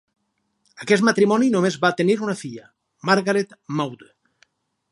Aquest matrimoni només va tenir una filla, Margaret Maude.